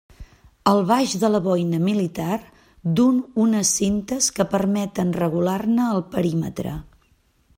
El baix de la boina militar duu unes cintes que permeten regular-ne el perímetre.